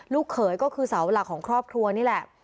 เขยก็คือเสาหลักของครอบครัวนี่แหละ